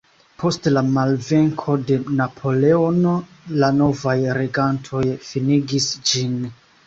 Post la malvenko de Napoleono, la novaj regantoj finigis ĝin.